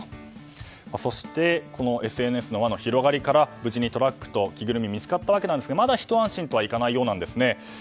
そしてＳＮＳの輪の広がりから無事にトラックと着ぐるみが見つかったわけなんですがまだ、ひと安心とはいかないようなんです。